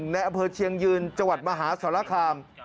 ในอาเภอเชียงยืนจังหวัดมหาศรษฐราคาร์ม